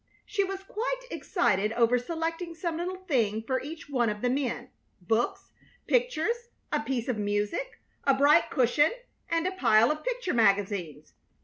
She was quite excited over selecting some little thing for each one of the men books, pictures, a piece of music, a bright cushion, and a pile of picture magazines.